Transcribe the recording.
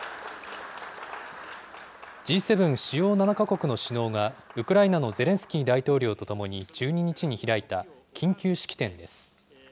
Ｇ７・主要７か国の首脳が、ウクライナのゼレンスキー大統領と共に１２日に開いた緊急式典です。